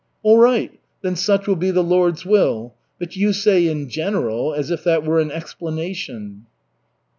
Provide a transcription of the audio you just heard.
"All right, then such will be the Lord's will. But you say 'in general' as if that were an explanation."